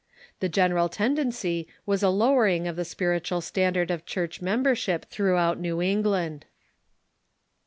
The general tendency was a lowering of the spiritual standard of Church membership throughout New England.